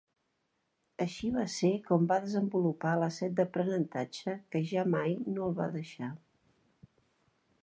Així va ser com va desenvolupar la set d'aprenentatge que ja mai no el va deixar.